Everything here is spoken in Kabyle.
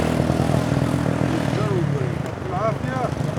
Yenǧer ubrid.